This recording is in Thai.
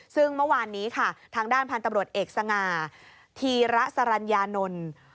ซึ่งเมื่อวานนี้ค่ะทางด้านพันธุ์ตำรวจเอกสง่าธีระสรัญญานนท์